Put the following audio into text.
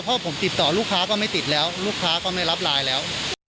เพราะผมติดต่อลูกค้าก็ไม่ติดแล้วลูกค้าก็ไม่รับไลน์แล้ว